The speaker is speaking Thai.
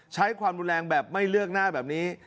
ใช้ความรุนแรงแบบไม่เลือกหน้าแบบนี้